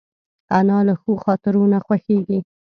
انا له ښو خاطرو نه خوښېږي